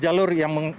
di jalur yang